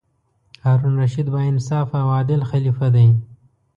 هارون الرشید با انصافه او عادل خلیفه دی.